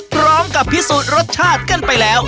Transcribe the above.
พร้อมกับพิสูจน์รสชาติกันไปแล้ว